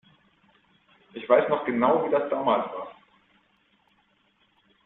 Ich weiß noch genau, wie das damals war.